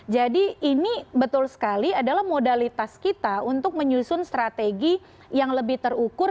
jadi ini betul sekali adalah modalitas kita untuk menyusun strategi yang lebih terukur